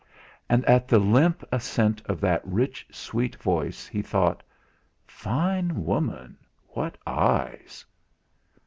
And at the limpid assent of that rich, sweet voice, he thought: 'Fine woman; what eyes!'